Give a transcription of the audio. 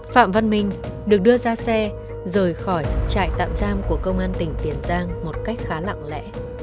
phạm văn minh được đưa ra xe rời khỏi trại tạm giam của công an tỉnh tiền giang một cách khá lặng lẽ